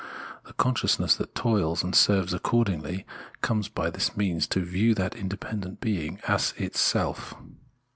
The consciousness that toils and serves accordingly comes by this means to view that independent being as its self.